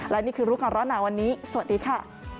และนี่คือรู้ก่อนร้อนหนาวันนี้สวัสดีค่ะ